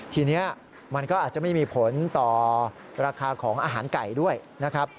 ทีนี้มันก็อาจจะไม่มีผลต่อราคาของอาหารไก่ด้วยนะครับ